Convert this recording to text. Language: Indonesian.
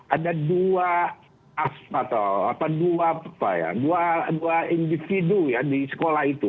ada dua individu ya di sekolah itu